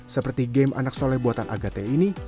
seperti game anak sole buatan agate ini